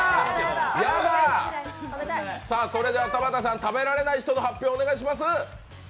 田畑さん、食べられない人の発表をお願いします。